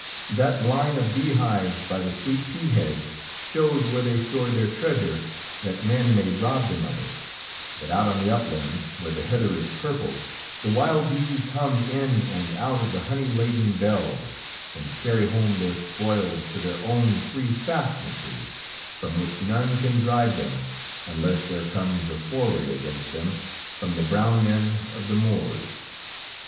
That line of bee hives by the sweet pea hedge shows where they store their treasure that men may rob them of it, but out on the uplands where the heather is purple, the wild bees hum in and out of the honey laden bells and carry home their spoils to their own free fastnesses, from which none can drive them unless there comes a foray against them from the brown men of the moors.